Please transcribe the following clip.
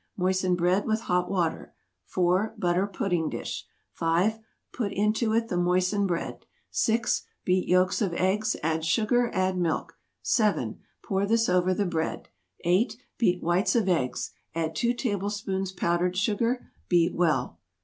Moisten bread with hot water. 4. Butter pudding dish. 5. Put into it the moistened bread. 6. Beat yolks of eggs; add sugar; add milk. 7. Pour this over the bread. 8. Beat whites of eggs. Add 2 tablespoons powdered sugar. Beat well.